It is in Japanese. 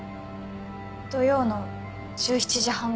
土曜の１７時半頃。